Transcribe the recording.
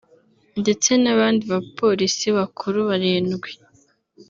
ndetse n’abandi bapolisi bakuru barindwi